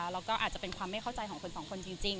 แล้วก็อาจจะเป็นความไม่เข้าใจของคนสองคนจริง